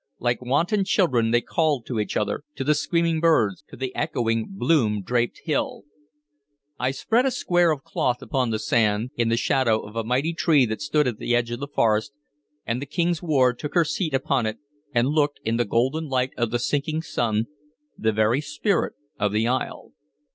Like wanton children, they called to each other, to the screaming birds, to the echoing bloom draped hill. I spread a square of cloth upon the sand, in the shadow of a mighty tree that stood at the edge of the forest, and the King's ward took her seat upon it, and looked, in the golden light of the sinking sun, the very spirit of the isle.